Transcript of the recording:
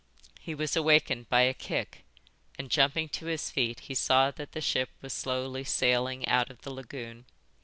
He was awakened by a kick; and, jumping to his feet, he saw that the ship was slowly sailing out of the lagoon.